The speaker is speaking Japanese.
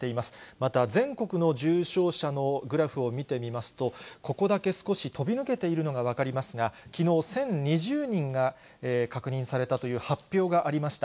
また全国の重症者のグラフを見てみますと、ここだけ少し飛び抜けているのが分かりますが、きのう、１０２０人が確認されたという発表がありました。